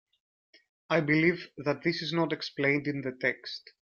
I believe that this is not explained in the text.